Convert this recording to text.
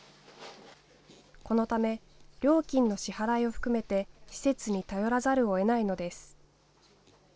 このため、料金の支払いを含めて施設に頼らざるを得ないのです。